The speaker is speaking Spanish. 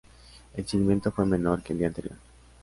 El seguimiento fue menor que el día anterior.